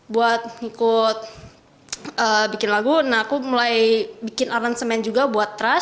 buat ikut bikin lagu nah aku mulai bikin aransemen juga buat trust